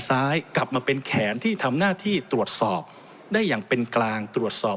ซ้ายกลับมาเป็นแขนที่ทำหน้าที่ตรวจสอบได้อย่างเป็นกลางตรวจสอบ